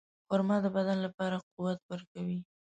خرما د بدن لپاره قوت ورکوي.